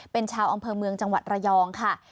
เป็นชาวอำเภอเมืองจังหวัดระยองค่ะ